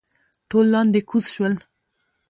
ټول لاندې کوز شول.